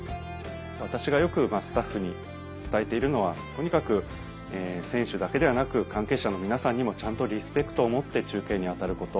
私がよくスタッフに伝えているのはとにかく選手だけではなく関係者の皆さんにもちゃんとリスペクトを持って中継に当たること。